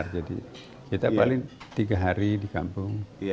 jadi kita paling tiga hari di kampung